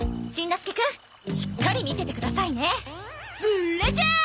ブ・ラジャー！